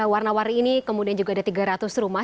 warna warni ini kemudian juga ada tiga ratus rumah